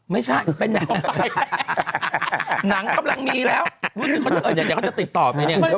ไม่ใช่เป็นหนังกำลังมีแล้วเดี๋ยวเขาจะติดต่อไปเนี่ย